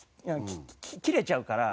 キレちゃうから。